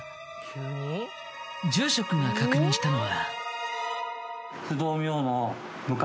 住職が確認したのは。